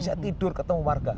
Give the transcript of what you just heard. saya tidur ketemu warga